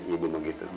ibu mau gitu